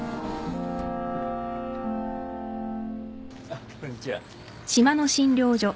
あっこんにちは。